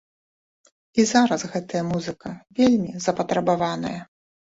І зараз гэтая музыка вельмі запатрабаваная.